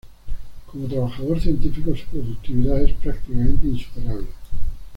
Como trabajador científico, su productividad es prácticamente insuperable.